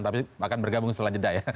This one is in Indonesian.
tapi akan bergabung selanjutnya